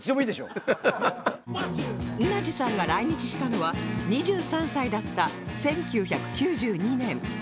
ンナジさんが来日したのは２３歳だった１９９２年